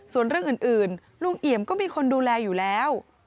ส่วนเรื่องอื่นลุงเอี่ยมก็มีคนดูแลอยู่แล้ว